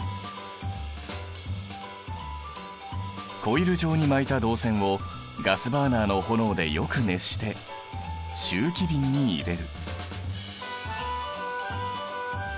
コイル状に巻いた銅線をガスバーナーの炎でよく熱して集気瓶に入れる。